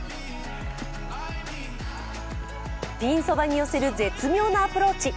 ピンそばに寄せる絶妙なアプローチ。